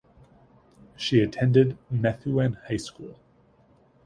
She attended Methuen High School.